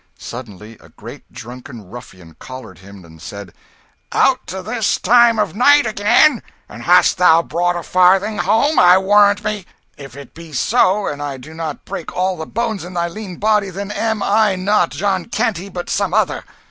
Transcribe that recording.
Suddenly a great drunken ruffian collared him and said "Out to this time of night again, and hast not brought a farthing home, I warrant me! If it be so, an' I do not break all the bones in thy lean body, then am I not John Canty, but some other."